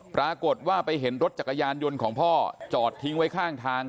ปรากฏว่าไปเห็นรถจักรยานยนต์ของพ่อจอดทิ้งไว้ข้างทาง